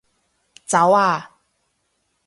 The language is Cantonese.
走啊